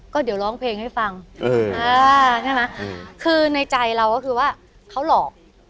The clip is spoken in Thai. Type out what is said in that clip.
ก็เดี๋ยวร้องเพลงให้ฟังใช่ไหมคือในใจเราก็คือว่าเขาหลอก